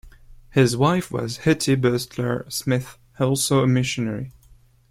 His wife was Hetty Butler Smith, also a missionary.